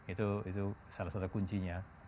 itu salah satu kuncinya